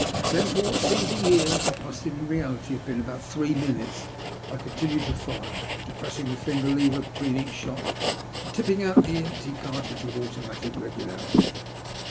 Then for what seemed a year, but must in reality have been about three minutes, I continued to fire, depressing the finger lever between each shot and tipping out the empty cartridge with automatic regularity.